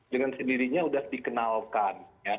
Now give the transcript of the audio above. dengan sendirinya sudah dikenalkan